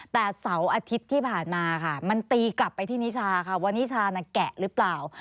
แต่เสาร์อาทิตย์ที่ผ่านมาค่ะมันตีกลับไปที่นิชาค่ะว่านิชาน่ะแกะหรือเปล่า